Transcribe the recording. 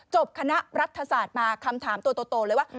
คณะรัฐศาสตร์มาคำถามตัวโตเลยว่า